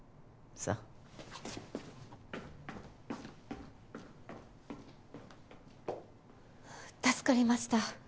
はぁ助かりました。